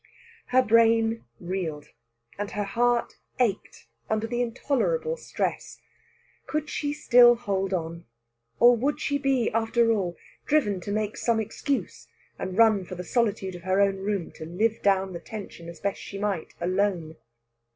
Her brain reeled and her heart ached under the intolerable stress. Could she still hold on, or would she be, after all, driven to make some excuse, and run for the solitude of her own room to live down the tension as best she might alone?